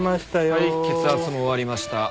はい血圧も終わりました。